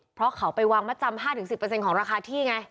เพราะเขาไปวางมัดจำ๕๑๐ของราคาที่ไง